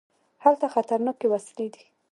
هلته خطرناکې وسلې دي.